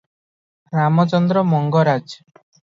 Ramachandra Mangaraj.